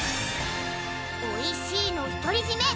おいしいの独り占め